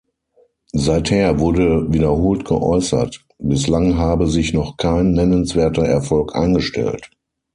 Seither wurde wiederholt geäußert, bislang habe sich noch kein nennenswerter Erfolg eingestellt.